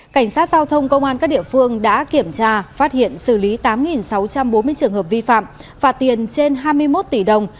cảnh sát giao thông công an các địa phương đã kiểm tra phát hiện xử lý tám sáu trăm bốn mươi trường hợp vi phạm phạt tiền trên hai mươi một tỷ đồng